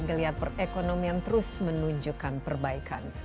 geliat perekonomian terus menunjukkan perbaikan